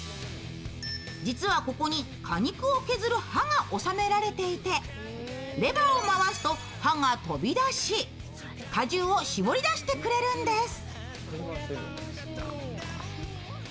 実は、ここに果肉を削る刃が収められていてレバーを回すと刃が飛び出し果汁を搾り出してくれるんです。